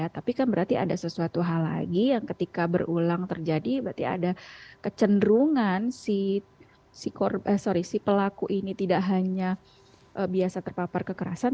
tapi kan berarti ada sesuatu hal lagi yang ketika berulang terjadi berarti ada kecenderungan si pelaku ini tidak hanya biasa terpapar kekerasan